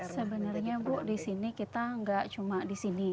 sebenarnya bu di sini kita nggak cuma di sini